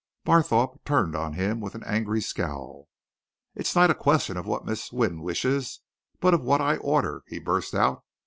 Barthorpe turned on him with an angry scowl. "It's not a question of what Miss Wynne wishes, but of what I order," he burst out.